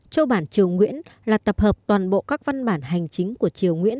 châu bản triều nguyễn là tập hợp toàn bộ các văn bản hành chính của triều nguyễn